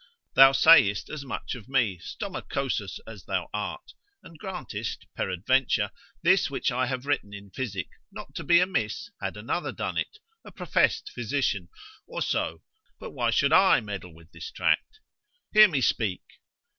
Thou sayest as much of me, stomachosus as thou art, and grantest, peradventure, this which I have written in physic, not to be amiss, had another done it, a professed physician, or so, but why should I meddle with this tract? Hear me speak.